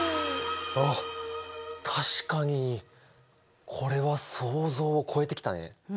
あっ確かにこれは想像を超えてきたね。